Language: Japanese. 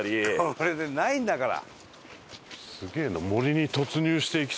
これないんだから。